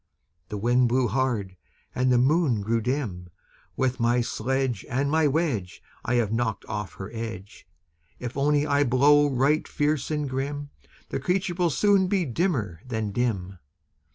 The Wind blew hard, and the Moon grew dim. "With my sledge And my wedge I have knocked off her edge! If only I blow right fierce and grim, The creature will soon be dimmer than dim."